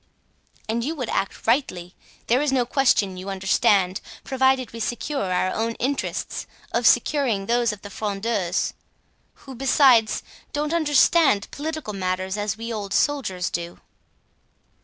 "And you would act rightly. There is no question, you understand, provided we secure our own interests, of securing those of the Frondeurs; who, besides, don't understand political matters as we old soldiers do."